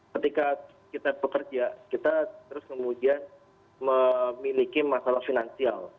ketika kita bekerja kita terus kemudian memiliki masalah finansial